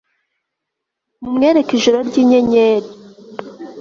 Mumwereke ijoro ryinyenyeri